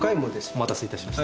お待たせ致しました。